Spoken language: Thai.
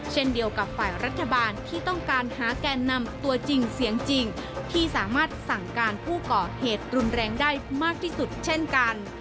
เช่นเดียวกับฝ่ายรัฐบาลที่ต้องการหาแกนนำตัวจริงเสียงจริงที่สามารถสั่งการผู้ก่อเหตุรุนแรงได้มากที่สุดเช่นกัน